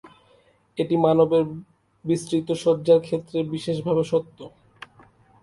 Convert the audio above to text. এটি মানবের বিস্তৃত সজ্জার ক্ষেত্রে বিশেষভাবে সত্য।